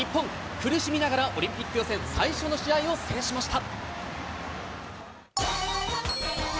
苦しみながらオリンピック予選、最初の試合を制しました。